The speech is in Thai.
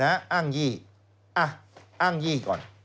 อ้างยี่อ้างยี่ก่อน